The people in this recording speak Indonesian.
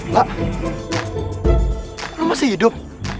la lo masih hidup